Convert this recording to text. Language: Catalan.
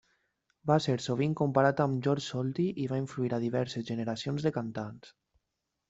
Va ser sovint comparat amb Georg Solti i va influir a diverses generacions de cantants.